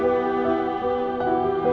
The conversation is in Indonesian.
ngapain apa ya